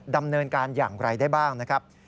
ดำเนินการอย่างไรได้บ้างนะครับ